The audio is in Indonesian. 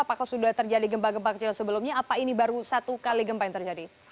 apakah sudah terjadi gempa gempa kecil sebelumnya apa ini baru satu kali gempa yang terjadi